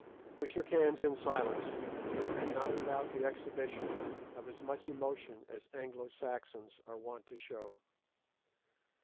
We shook hands in silence, and not without the exhibition of as much emotion as Anglo Saxons are wont to show.